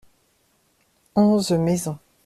Onze maisons.